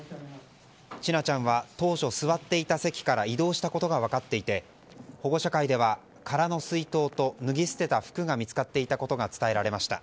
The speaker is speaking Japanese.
千奈ちゃんは当初、座っていた席から移動したことが分かっていて保護者会では空の水筒と脱ぎ捨てた服が見つかっていたことが伝えられました。